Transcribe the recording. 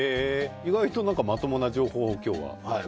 意外とまともな情報を今日は教えてくれる。